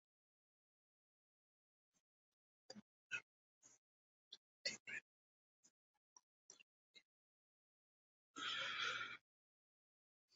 সমাজকে বদলে দেবার বাসনা যার তীব্র এমন অবদান তার পক্ষেই রাখা সম্ভব।